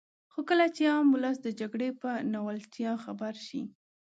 خو کله چې عام ولس د جګړې په ناولتیا خبر شي.